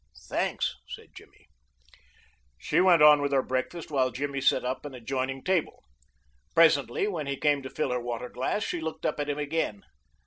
"Thanks," said Jimmy. She went on with her breakfast while Jimmy set up an adjoining table. Presently when he came to fill her water glass she looked up at him again.